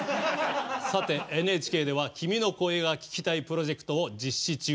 さて、ＮＨＫでは「君の声が聴きたい」プロジェクトを実施中。